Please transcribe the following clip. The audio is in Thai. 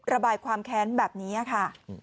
ระบายความแค้นแบบนี้ค่ะ